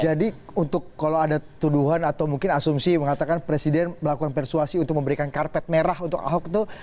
jadi untuk kalau ada tuduhan atau mungkin asumsi mengatakan presiden melakukan persuasi untuk memberikan karpet merah untuk ahok itu